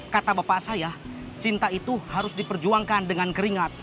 kata bapak saya cinta itu harus diperjuangkan dengan keringat